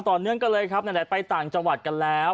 ต่อเนื่องกันเลยครับนั่นแหละไปต่างจังหวัดกันแล้ว